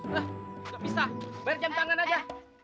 loh gak bisa bayar jam tangan aja